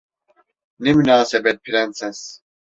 Ne münasebet Prenses?